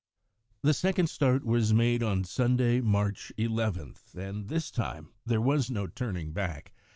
The second start was made on Sunday, March 11, and this time there was no turning back.